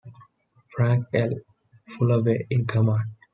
Frank L. Fullaway in command.